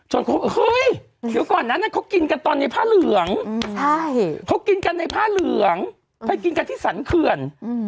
เฮ้ยเดี๋ยวก่อนนั้นเขากินกันตอนในผ้าเหลืองเขากินกันในผ้าเหลืองไปกินกันที่สรรเขื่อน